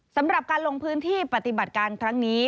สำหรับการลงพื้นที่ปฏิบัติการครั้งนี้